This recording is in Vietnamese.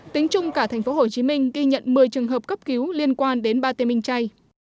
tính chung cả tp hcm ghi nhận một mươi trường hợp cấp cứu liên quan đến bà tê minh chay